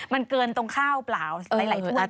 มันเกินตรงข้าวเปล่าหลายตัว